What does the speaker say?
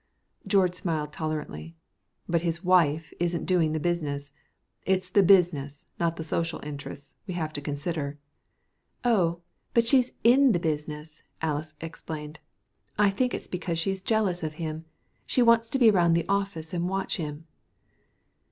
George smiled tolerantly. "But his wife isn't doing the business. It's the business, not the social interests, we have to consider. "Oh, but she is in the business," Alys explained. "I think it's because she's jealous of him; she wants to be around the office and watch him."